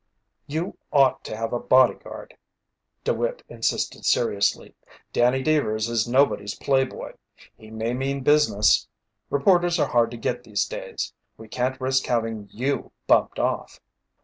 "You ought to have a bodyguard," DeWitt insisted seriously. "Danny Deevers is nobody's playboy. He may mean business. Reporters are hard to get these days. We can't risk having you bumped off."